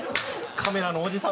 カメラのおじさん